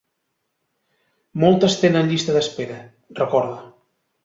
Moltes tenen llista d’espera, recorda.